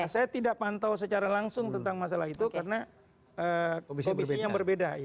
saya tidak pantau secara langsung tentang masalah itu karena kondisinya berbeda